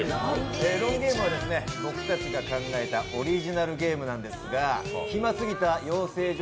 ロンゲームは僕たちが考えたオリジナルゲームなんですが暇すぎた養成所